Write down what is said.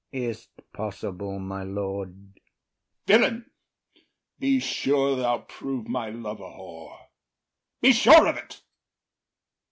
IAGO. Is’t possible, my lord? OTHELLO. Villain, be sure thou prove my love a whore; Be sure of it.